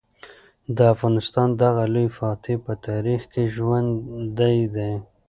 د افغانستان دغه لوی فاتح په تاریخ کې ژوندی دی.